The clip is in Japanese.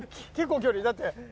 結構距離。だって。